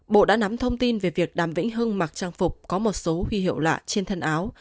bộ đã nắm thông tin về việc đàm vĩnh hưng mặc trang phục có một số huy hiệu lạ trên thân áo